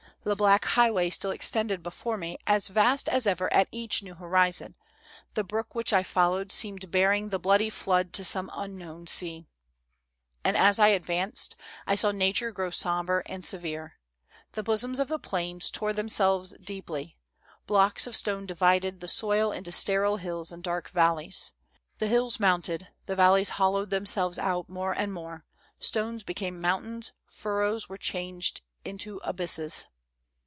The black highway still extended before me as vast as ever at each new horizon ; the brook which I followed seemed bearing the bloody flood to some unknown sea, " And, as I advanced, I saw nature grow sombre and severe. The bosoms of the plains tore themselves deeply. Blocks of stone divided the soil into sterile hills and dark valleys. The hills mounted, the valleys hollowed themselves out more and more ; stones became mountains, furrows were changed into abysses.